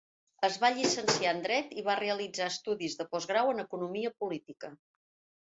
Es va llicenciar en Dret i va realitzar estudis de postgrau en economia política.